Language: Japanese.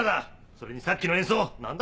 それにさっきの演奏何だ！？